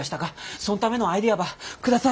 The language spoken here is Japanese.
そんためのアイデアば下さい。